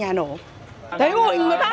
thấy ui người ta như bò rồi